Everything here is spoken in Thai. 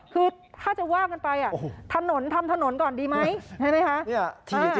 คือถ้าจะว่ากันไปถนนทำถนนก่อนดีไหมใช่ไหมคะ